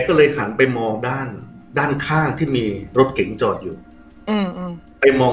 ก็เลยหันไปมองด้านด้านด้านข้างที่มีรถเก๋งจอดอยู่อืมไปมอง